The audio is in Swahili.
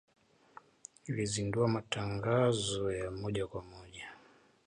Ilizindua matangazo ya moja kwa moja